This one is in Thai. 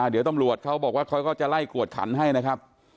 เดี๋ยวตำรวจเขาบอกว่าเขาก็จะไล่กวดขันให้นะครับ